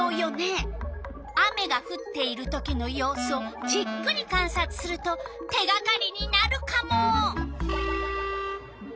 雨がふっているときのようすをじっくりかんさつすると手がかりになるカモ！